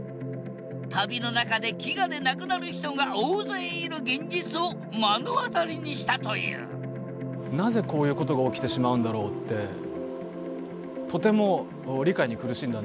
旅の中で飢餓で亡くなる人が大勢いる現実を目の当たりにしたというなぜこういうことが起きてしまうんだろうってとても理解に苦しんだんですね。